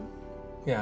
いや。